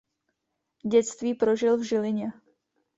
Dětství prožil v Žilině.